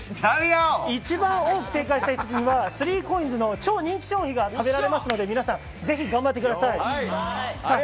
一番多く正解した方にはスリーコインズの超人気商品が食べられますので、皆さんぜひ頑張ってください。